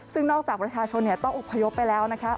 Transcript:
ซึ่งนอกจากประชาชนต้องอบพยพไปแล้วนะคะ